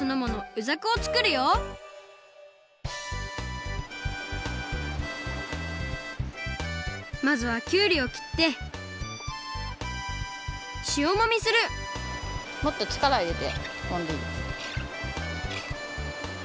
うざくをつくるよまずはきゅうりをきってしおもみするもっとちからをいれてもんでいいですよ。